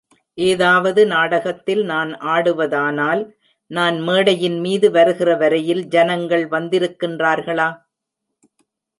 ஏதாவது நாடகத்தில் நான் ஆடுவதானால், நான் மேடையின்மீது வருகிற வரையில், ஜனங்கள் வந்திருக்கின்றார்களா?